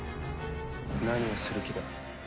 何をする気だ？